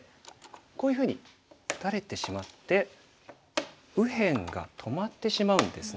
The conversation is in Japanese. こういうふうに打たれてしまって右辺が止まってしまうんですね。